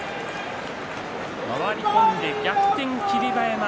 回り込んで逆転、霧馬山。